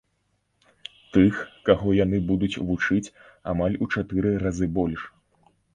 Тых, каго яны будуць вучыць, амаль у чатыры разы больш.